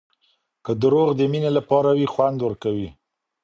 که دروغ د مینې لپاره وي خوند ورکوي.